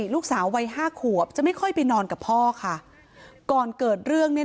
ลูกสาวคนตัวจะชอบมานอนมานอนกับพ่อคืนนั้น